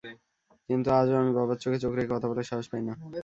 কিন্তু আজও আমি বাবার চোখে চোখ রেখে কথা বলার সাহস পাই না।